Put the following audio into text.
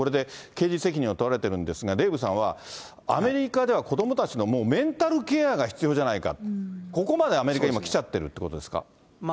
これでを問われてるんですが、デーブさんは、アメリカでは子どもたちのもうメンタルケアが必要じゃないか、ここまでアメリカ、今、きちゃってるっていうことですか？